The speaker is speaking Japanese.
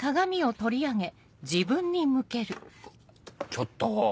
ちょっと。